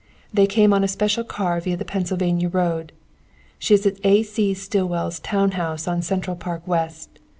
They came on in a special car via the Pennsylvania road. She is at A. C. Stillwell's town house on Central Park West.